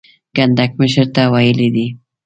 کنډک مشر ته ویلي دي.